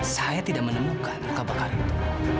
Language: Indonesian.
saya tidak menemukan luka bakar itu